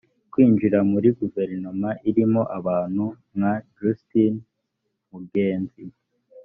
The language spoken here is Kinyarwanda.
kwinjira muri guverinoma irimo abantu nka justin mugenzi